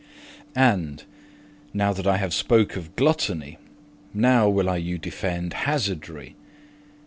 And, now that I have spoke of gluttony, Now will I you *defende hazardry.